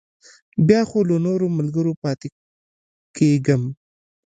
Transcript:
بیا خو له نورو ملګرو پاتې کېږم.